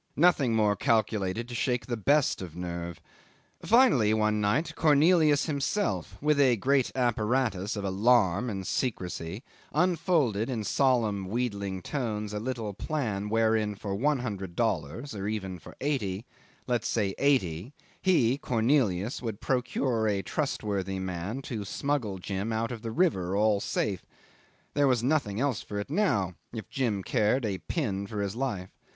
Nothing more calculated to shake the best of nerve. Finally, one night, Cornelius himself, with a great apparatus of alarm and secrecy, unfolded in solemn wheedling tones a little plan wherein for one hundred dollars or even for eighty; let's say eighty he, Cornelius, would procure a trustworthy man to smuggle Jim out of the river, all safe. There was nothing else for it now if Jim cared a pin for his life.